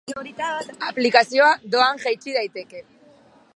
Aplikazioa doan jaitsi daiteke.